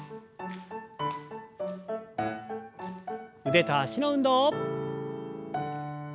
腕と脚の運動。